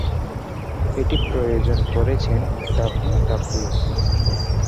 এটি প্রযোজনা করেছেন ডাব্লিউডাব্লিউই।